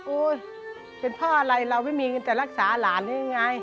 โอ๊ยเป็นพ่ออะไรเรามีเงินแต่รักษาหลาน